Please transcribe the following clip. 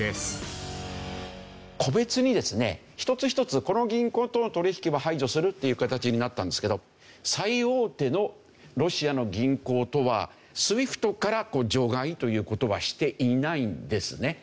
個別にですね一つ一つこの銀行との取引は排除するっていう形になったんですけど最大手のロシアの銀行とはＳＷＩＦＴから除外という事はしていないんですね。